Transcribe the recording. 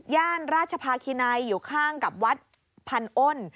ราชภาคินัยอยู่ข้างกับวัดพันอ้น